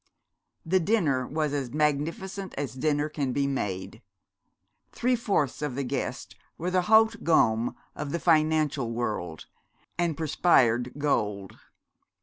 The dinner was as magnificent as dinner can be made. Three fourths of the guests were the haute gomme of the financial world, and perspired gold.